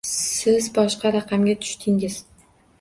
Siz boshqa raqamga tushdingiz.